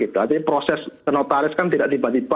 jadi proses tenotaris kan tidak tiba tiba